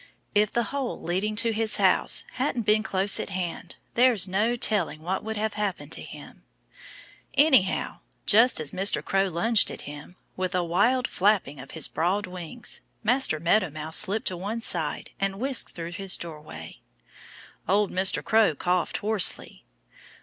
If the hole leading to his home hadn't been close at hand there's no telling what would have happened to him. Anyhow, just as Mr. Crow lunged at him, with a wild flapping of his broad wings, Master Meadow Mouse slipped to one side and whisked through his doorway. Old Mr. Crow coughed hoarsely.